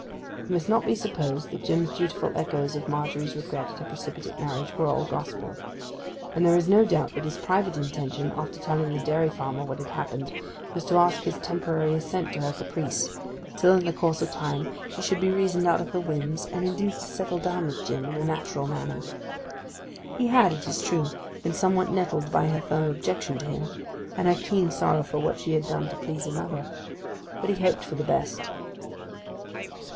It must not be supposed that Jim's dutiful echoes of Margery's regret at her precipitate marriage were all gospel; and there is no doubt that his private intention, after telling the dairy farmer what had happened, was to ask his temporary assent to her caprice, till, in the course of time, she should be reasoned out of her whims and induced to settle down with Jim in a natural manner. He had, it is true, been somewhat nettled by her firm objection to him, and her keen sorrow for what she had done to please another; but he hoped for the best.